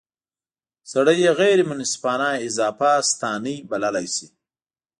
سړی یې غیر منصفانه اضافه ستانۍ بللای شي.